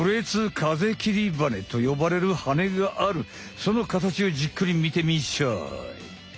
そのかたちをじっくり見てみんしゃい。